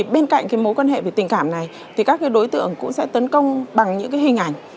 bên cạnh mối quan hệ về tình cảm này thì các đối tượng cũng sẽ tấn công bằng những hình ảnh